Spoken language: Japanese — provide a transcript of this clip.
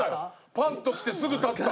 パンときてすぐ立った。